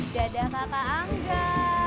dadah kakak angga